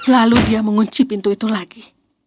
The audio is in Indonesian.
lalu dia mengunci pintu itu lagi